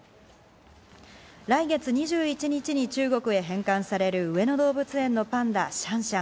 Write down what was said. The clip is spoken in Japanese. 来月２１日に中国に返還される上野動物園のパンダ、シャンシャン。